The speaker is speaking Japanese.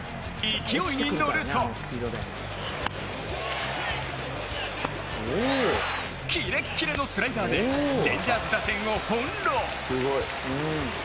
勢いに乗るとキレッキレのスライダーでレンジャーズ打線を翻弄。